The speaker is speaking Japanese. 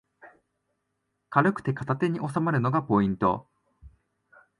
軽くて片手におさまるのがポイント